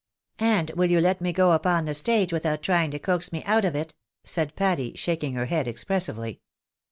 " And will you let me go upon the stage without trying to coax me out of it ?" said Patty, shaking her head expressively.